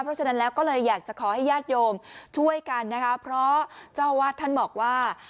เพราะฉะนั้นแล้วก็เลยอยากจะขอให้ญาติโยมช่วยกันนะคะเพราะเจ้าอาวาสท่านบอกว่า